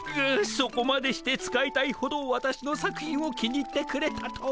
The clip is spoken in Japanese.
そこまでして使いたいほどわたしの作品を気に入ってくれたとは。